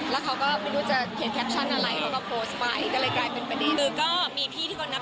แล้วเขาก็ไม่รู้จะแขนฟ์แคปชั่นนี่อะไรก็โพสต์ไปอะไรกลายเป็นประเด็นน